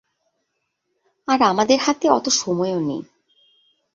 আর আমাদের হাতে অত সময়ও নেই।